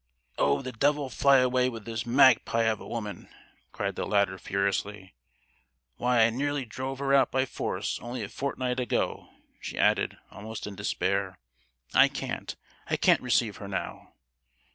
"Oh! the devil fly away with this magpie of a woman!" cried the latter furiously. "Why, I nearly drove her out by force only a fortnight ago!" she added, almost in despair. "I can't, I can't receive her now.